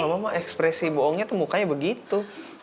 mama ekspresi bohongnya tuh mukanya begitu